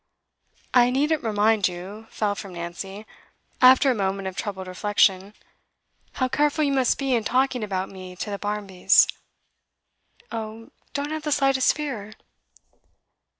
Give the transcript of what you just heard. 'I needn't remind you,' fell from Nancy, after a moment of troubled reflection, 'how careful you must be in talking about me to the Barmbys.' 'Oh, don't have the slightest fear.